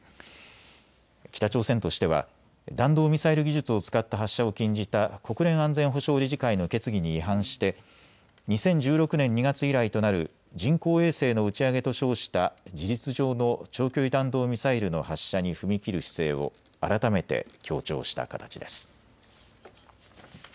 北朝鮮としては弾道ミサイル技術を使った発射を禁じた国連安全保障理事会の決議に違反して２０１６年２月以来となる人工衛星の打ち上げと称した事実上の長距離弾道ミサイルの発射に踏み切る姿勢を改めて強調した形です。